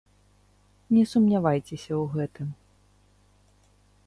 Не сумнявайцеся ў гэтым.